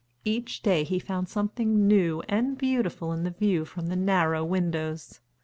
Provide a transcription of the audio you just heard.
Each day he found something new and beautiful in the view from the narrow windows.